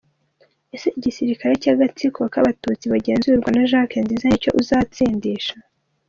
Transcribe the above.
Ese igisirikare cy’agatsiko kabatutsi bagenzurwa na Jack Nziza nicyo uzatsindisha?